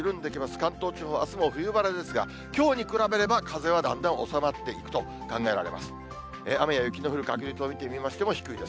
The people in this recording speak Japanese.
関東地方、あすも冬晴れですが、きょうに比べれば、風はだんだん収まっていくと考えられます。